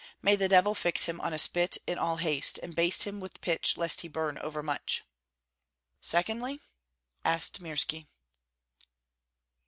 May the devil fix him on a spit in all haste, and baste him with pitch lest he burn overmuch." "Secondly?" asked Mirski.